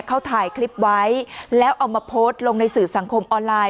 เขาถ่ายคลิปไว้แล้วเอามาโพสต์ลงในสื่อสังคมออนไลน